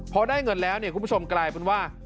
พอได้เงินแล้วเนี่ยคุณผู้ชมกลายเป็นว่า